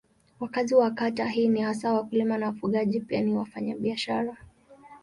Wakazi wa kata hii ni hasa wakulima na wafugaji pia ni wafanyabiashara.